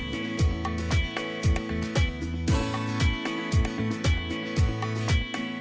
โปรดติดตามตอนต่อไป